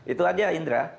itu aja indra